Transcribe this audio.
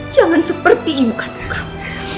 jangan seperti ibu kandung kamu